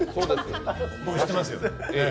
僕、知ってますよ。